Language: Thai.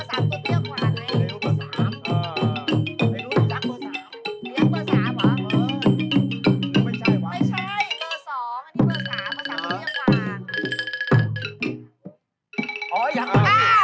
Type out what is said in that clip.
เขาไม่ใช่ที่เจอ